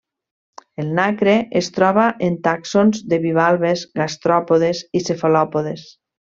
El nacre es troba en tàxons de bivalves gastròpodes i cefalòpodes.